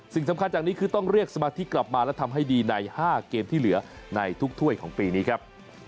สิ่งสำคัญจากนี้คือต้องเรียกสมาธิกลับมาและทำให้ดีใน๕เกมที่เหลือในทุกถ้วยของปีนี้ครับ